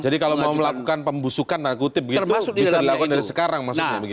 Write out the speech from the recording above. jadi kalau mau melakukan pembusukan nakutip gitu bisa dilakukan dari sekarang maksudnya begitu